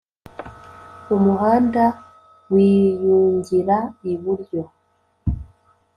umuhanda wiyungira iburyo